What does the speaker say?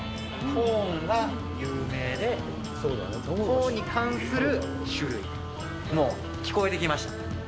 コーンが有名で、コーンに関する種類、もう聞こえてきました。